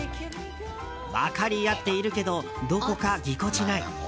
分かり合っているけどどこかぎこちない。